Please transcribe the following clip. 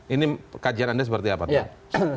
ini kajian anda seperti apa prof